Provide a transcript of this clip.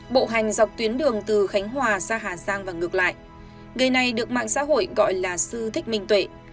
bộ hành dọc tuyến đường từ khánh hòa ra hà giang và ngược lại người này được mạng xã hội gọi là sư thích minh tuệ